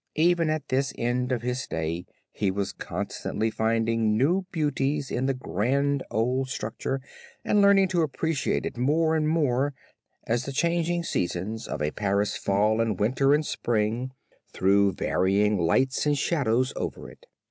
Even at the end of his stay he was constantly finding new beauties in the grand old structure and learning to appreciate it more and more as the changing seasons of a Paris fall and winter and spring, threw varying lights and shadows over it.